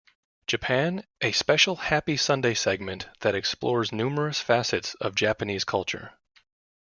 Japan", a special "Happy Sunday" segment that explored numerous facets of Japanese culture.